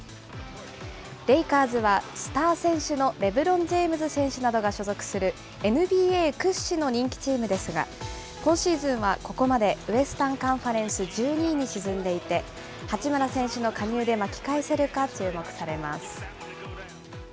レイカーズはスター選手のレブロン・ジェームズ選手などが所属するＮＢＡ屈指の人気チームですが、今シーズンはここまでウエスタンカンファレンス１２位に沈んでいて、八村選手の加入で巻き返せるか注目されます。